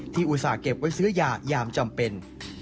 อุตส่าห์เก็บไว้ซื้อยายามจำเป็น